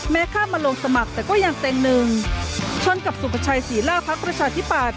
แม้ค่ามาลงสมัครแต่ก็ยังเต็มหนึ่งช่วงกับสุประชายศรีลาภักดิ์ประชาธิปาศ